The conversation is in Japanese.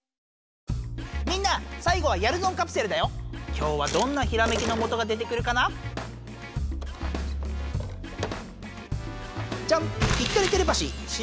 きょうはどんなひらめきのもとが出てくるかな？じゃん！